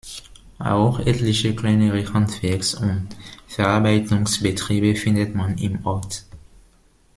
Auch etliche kleinere Handwerks- und Verarbeitungsbetriebe findet man im Ort.